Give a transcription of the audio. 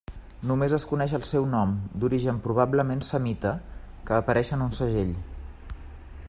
Només es coneix el seu nom, d'origen probablement semita, que apareix en un segell.